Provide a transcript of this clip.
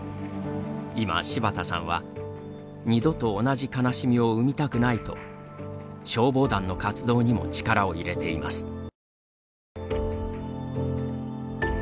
今、柴田さんは「二度と同じ悲しみを生みたくない」と消防団の活動にも力を入れています。